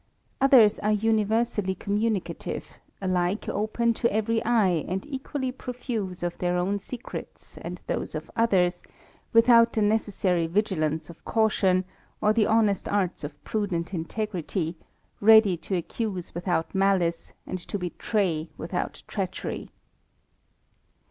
Others are universally communicative, alike open to every eye, and equally profuse of their own secrets and those of others, without the necessary vigilance of caution, or the honest arts of prudent int^rity, ready to accuse without malice, and to betray withoat treachet^.